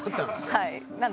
はい。